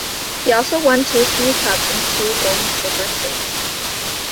He also won two Sydney Cups and two Golden Slipper Stakes.